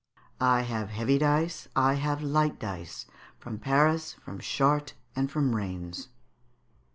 ("I have heavy dice, I have light dice, From Paris, from Chartres, and from Rains.")